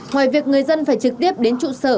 ngoài việc người dân phải trực tiếp đến trụ sở